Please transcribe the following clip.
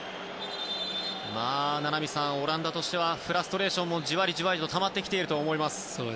名波さん、オランダとしてはフラストレーションもじわりじわりとたまってきていると思います。